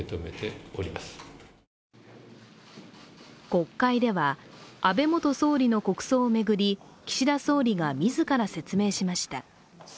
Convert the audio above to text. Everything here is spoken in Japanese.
国会では安倍元総理の国葬を巡り岸田総理が自ら説明しました。